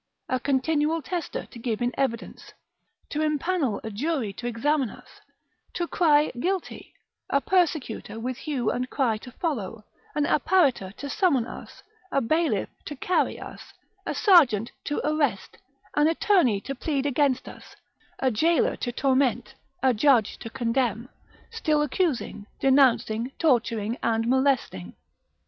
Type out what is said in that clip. A continual tester to give in evidence, to empanel a jury to examine us, to cry guilty, a persecutor with hue and cry to follow, an apparitor to summon us, a bailiff to carry us, a serjeant to arrest, an attorney to plead against us, a gaoler to torment, a judge to condemn, still accusing, denouncing, torturing and molesting.